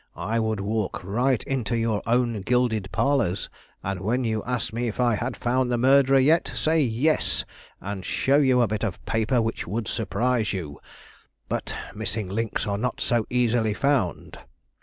I would walk right into your own gilded parlors, and when you asked me if I had found the murderer yet, say 'yes,' and show you a bit of paper which would surprise you! But missing links are not so easily found.